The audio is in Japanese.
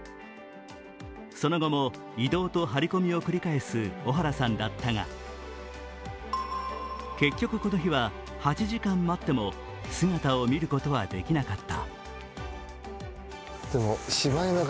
その後も移動と張り込みを繰り返す小原さんだったが結局、この日は８時間待っても姿を見ることはできなかった。